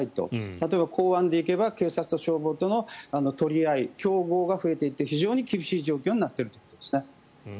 例えば公安で行けば警察と消防との取り合い競合が増えていって非常に厳しい状況になっているということですね。